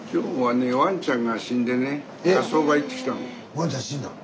ワンちゃん死んだの？